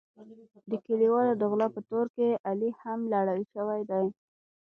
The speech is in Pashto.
د کلیوالو د غلا په تور کې علي هم لړل شوی دی.